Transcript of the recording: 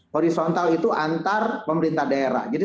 dan horizontal vertical itu antara pemerintah pusat dan pemerintah daerah